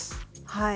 はい。